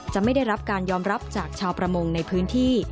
ไม่ได้รับการยอมรับจากชาวประมงในพื้นที่